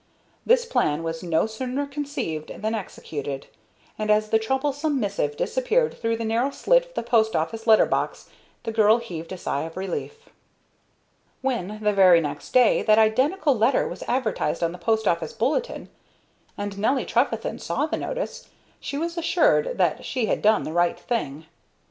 This plan was no sooner conceived than executed; and, as the troublesome missive disappeared through the narrow slit of the post office letter box, the girl heaved a sigh of relief. When, the very next day, that identical letter was advertised on the post office bulletin, and Nelly Trefethen saw the notice, she was assured that she had done the right thing.